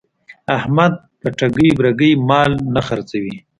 احمد په ټګۍ برگۍ مال نه خرڅوي.